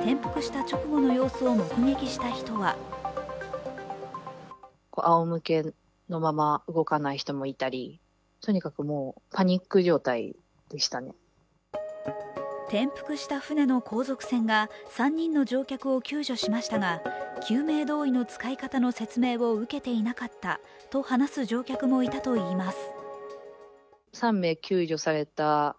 転覆した直後の様子を目撃した人は転覆した舟の後続船が３人の乗客を救助しましたが、救命胴衣の使い方の説明を受けていなかったと話す乗客もいたといいます。